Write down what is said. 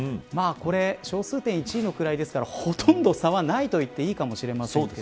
小数点１の位ですからほとんど差はないと言っていいかもしれません。